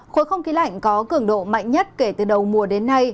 khối không khí lạnh có cường độ mạnh nhất kể từ đầu mùa đến nay